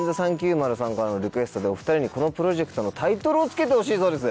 ＫＥＮＴＨＥ３９０さんからのリクエストでお２人にこのプロジェクトのタイトルをつけてほしいそうです。